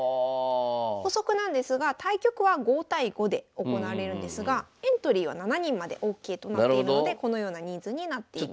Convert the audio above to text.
補足なんですが対局は５対５で行われるんですがエントリーは７人までＯＫとなっているのでこのような人数になっています。